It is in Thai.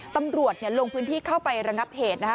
ตำรวจลงพื้นที่เข้าไประงับเหตุนะคะ